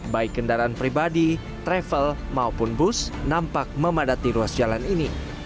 baik kendaraan pribadi travel maupun bus nampak memadati ruas jalan ini